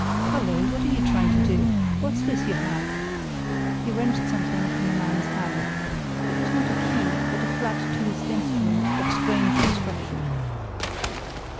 "Hullo, what are you trying to do? What's this you have?" He wrenched something from the man's hand. It was not a key but a flat toothed instrument of strange construction.